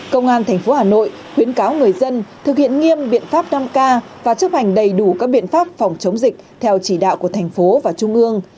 công an thành phố hà nội khuyến cáo người dân thực hiện nghiêm biện pháp năm k và chấp hành đầy đủ các biện pháp phòng chống dịch theo chỉ đạo của thành phố và trung ương